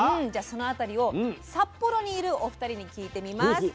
じゃあその辺りを札幌にいるお二人に聞いてみます。